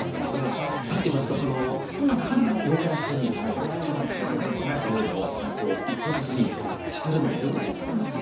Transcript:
でも何て言いますか今なかなか上から下にこれはよくないあれはよくないっていうのを一方的に叱るのもよくないのかな。